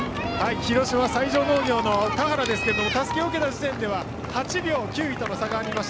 広島、西条農業の田原ですけどたすきを受けた時点では８秒、９位との差がありました。